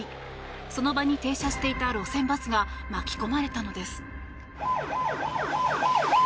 その場に停車していた路線バスが巻き込まれたのです。